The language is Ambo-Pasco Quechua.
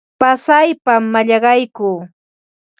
Pasaypam mallaqaykuu.